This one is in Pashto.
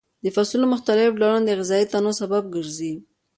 د فصلونو مختلف ډولونه د غذایي تنوع سبب ګرځي.